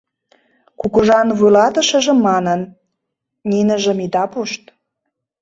Кугыжан вуйлатышыже манын: «Ниныжым ида пушт.